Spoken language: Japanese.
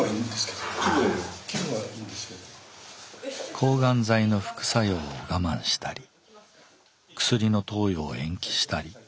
抗がん剤の副作用を我慢したり薬の投与を延期したり。